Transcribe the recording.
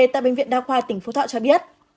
tại bệnh viện đa khoa tỉnh phú thọ cho biết